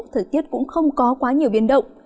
thời tiết cũng không có quá nhiều biến động